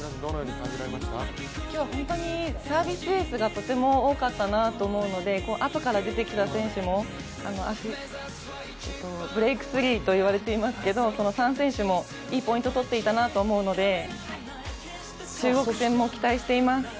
今日は本当にサービスエースがとても多かったなと思うのであとから出てきた選手も、ブレイクスリーと言われていますけどその３選手もいいポイントとっていたなと思うので、中国戦も期待しています。